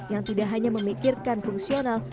yang tidak hanya memikirkan fungsional